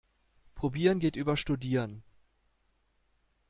Probieren geht über studieren.